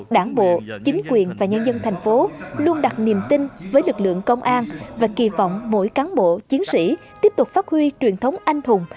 đảng bộ chính quyền và nhân dân thành phố luôn đặt niềm tin với lực lượng công an và kỳ vọng mỗi cán bộ chiến sĩ tiếp tục phát huy truyền thống anh hùng